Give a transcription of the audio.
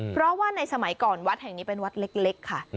เพราะว่าในสมัยก่อนวัดแห่งนี้เป็นวัดเล็กค่ะ